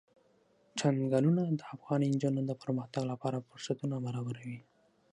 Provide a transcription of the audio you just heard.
چنګلونه د افغان نجونو د پرمختګ لپاره فرصتونه برابروي.